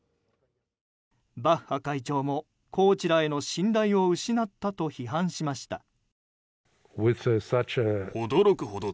バッハ会長もコーチらへの信頼を失ったと批判しました。